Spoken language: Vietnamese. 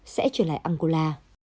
sẽ trở lại angola